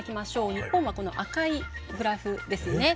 日本はこの赤いグラフですね。